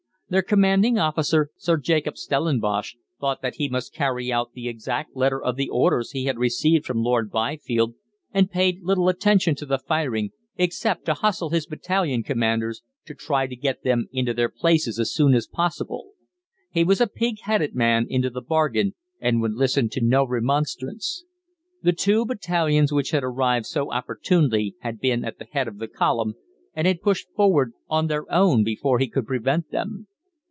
Their commanding officer, Sir Jacob Stellenbosch, thought that he must carry out the exact letter of the orders he had received from Lord Byfield, and paid little attention to the firing except to hustle his battalion commanders, to try to get them into their places as soon as possible. He was a pig headed man into the bargain, and would listen to no remonstrance. The two battalions which had arrived so opportunely had been at the head of the column, and had pushed forward "on their own" before he could prevent them.